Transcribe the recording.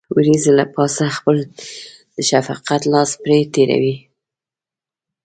وريځې له پاسه خپل د شفقت لاس پرې تېروي.